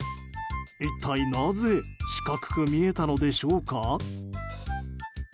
一体なぜ四角く見えたのでしょうか。